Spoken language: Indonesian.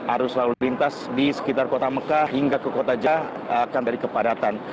arus lalu lintas di sekitar kota mekah hingga ke kota ja akan dari kepadatan